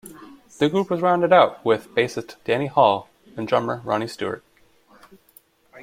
The group was rounded out with bassist Danny Hull and drummer Ronnie Stewart.